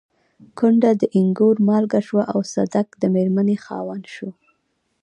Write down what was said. کونډه د اينګور مالکه شوه او صدک د مېرمنې خاوند شو.